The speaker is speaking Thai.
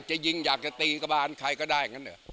นึกอยากจะยิงอยากจะตีกระบานใครก็ได้